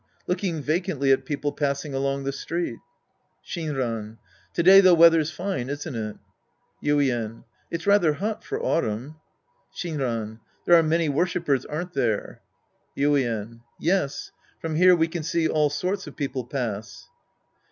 Looking vacantly at people passing along the street. Shinran. To day the weather's fine, isn't it ? Yuien. It's rather hot for autumn. Shinran. There are many worshipers, aren't there? Yuien. Yes. From here we can see all sorts of people pass.